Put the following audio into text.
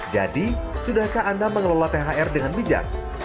jadi sudahkah anda mengelola thr dengan bijak